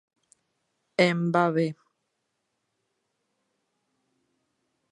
Em va bé.